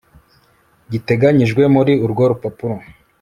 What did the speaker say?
giteganyijwe muri urwo rupapuro